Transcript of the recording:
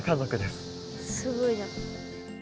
すごいな。